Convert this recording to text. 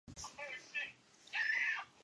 家里的童养媳